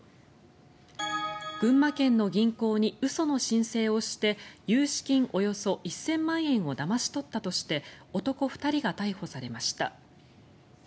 群馬県の銀行に嘘の申請をして融資金およそ１０００万円をだまし取ったとして男２人が逮捕されました。